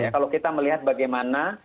kalau kita melihat bagaimana